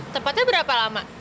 tepatnya berapa lama